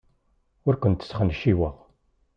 Ur kent-sxenciweɣ.